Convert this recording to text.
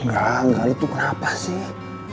enggak enggak itu kenapa sih